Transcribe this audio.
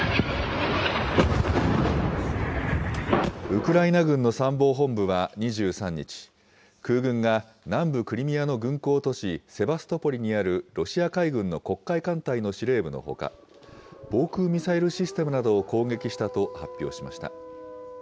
ウクライナ軍の参謀本部は２３日、空軍が南部クリミアの軍港都市、セバストポリにあるロシア海軍の黒海艦隊の司令部のほか、防空ミサイルシステムなどを攻撃したと発表しました。